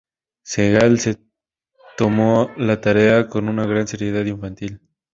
Segal se tomó la tarea con una gran seriedad infantil.